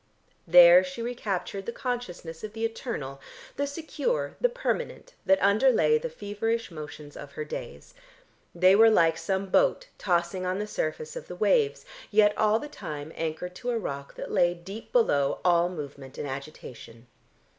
There she recaptured the consciousness of the eternal, the secure, the permanent that underlay the feverish motions of her days. They were like some boat tossing on the surface of the waves, yet all the time anchored to a rock that lay deep below all movement and agitation.